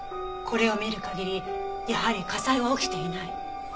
これを見る限りやはり火災は起きていない。